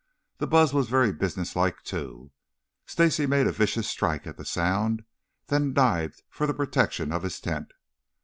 The buzz was very businesslike, too. Stacy made a vicious strike at the sound, then dived for the protection of his tent.